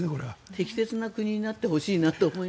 適切な国になってほしいと思います。